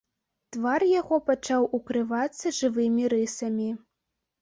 Твар яго пачаў укрывацца жывымі рысамі.